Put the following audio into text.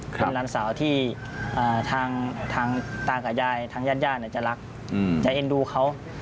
เป็นหลานสาวที่ทางตากับยายทางญาติญาติจะรักจะเอ็นดูเขา